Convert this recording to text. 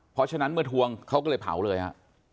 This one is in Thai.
เพราะฉะนั้นเมื่อทวงเขาก็เลยเผาเลยฮะ